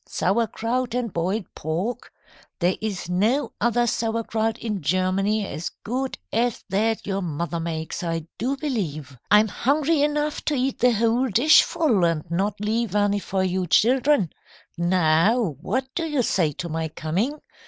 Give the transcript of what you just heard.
Sauerkraut and boiled pork. There is no other sauerkraut in Germany as good as that your mother makes, I do believe. I'm hungry enough to eat the whole dishful and not leave any for you children. Now what do you say to my coming?